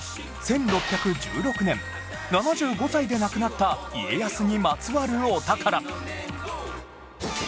１６１６年７５歳で亡くなった家康にまつわるお宝